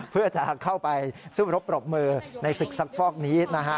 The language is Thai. เพื่อจะเข้าไปสู้รบปรบมือในศึกซักฟอกนี้นะฮะ